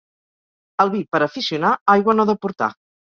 El vi, per aficionar, aigua no ha de portar.